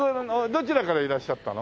どちらからいらっしゃったの？